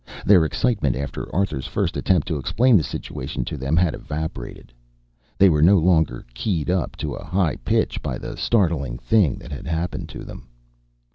Their excitement after Arthur's first attempt to explain the situation to them had evaporated. They were no longer keyed up to a high pitch by the startling thing that had happened to them.